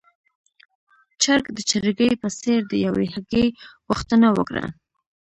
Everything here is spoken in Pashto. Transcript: چرګ د چرګې په څېر د يوې هګۍ غوښتنه وکړه.